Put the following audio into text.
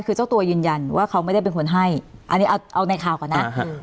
คือเจ้าตัวยืนยันว่าเขาไม่ได้เป็นคนให้อันนี้เอาในข่าวก่อนนะ